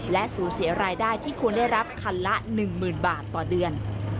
และสูญเสียรายได้ที่ควรได้รับคันละ๑๐๐๐บาทต่อเดือน